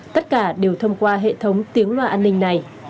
tất cả đều thông qua hệ thống tiếng loa an ninh này